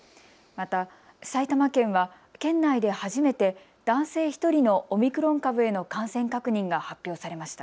また、埼玉県は県内で初めて男性１人のオミクロン株への感染確認が発表されました。